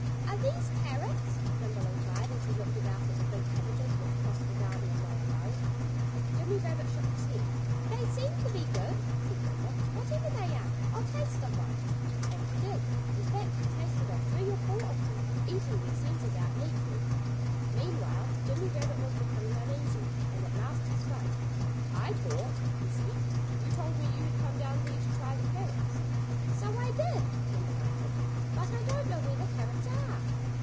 "Are these carrots?" Nimble inquired, as he looked about at the big cabbages, which crossed the garden in long rows. Jimmy Rabbit shook his head. "They seem to be good," said Nimble, "whatever they are. I'll taste of one." And he did. In fact he tasted of three or four of them, eating their centers out neatly. Meanwhile Jimmy Rabbit was becoming uneasy. And at last he spoke. "I thought," he said, "you told me you had come down here to try the carrots." "So I did," Nimble answered. "But I don't know where the carrots are."